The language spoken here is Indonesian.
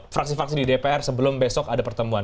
fraksi fraksi di dpr sebelum besok ada pertemuan